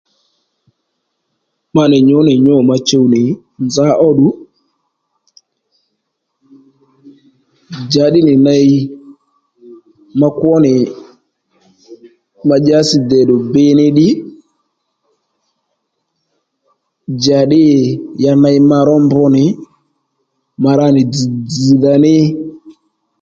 Ma nì nyǔ nì nyû ma chuw nì nza óddù njàddí nì ney ma kwó nì ma dyási dèddù biy ní ddí njàddǐ ya ney ma ró mb nì ma ra nì dzz̀ dzz̀dha ní